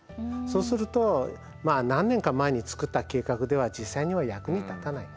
そうすると何年か前に作った計画では実際には役に立たない。